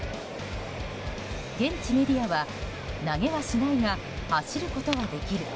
現地メディアは投げはしないが走ることはできる。